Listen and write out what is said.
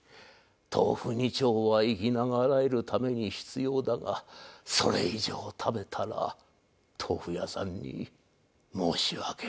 豆腐２丁は生き永らえるために必要だがそれ以上食べたら豆腐屋さんに申し訳ないと思ってなあ。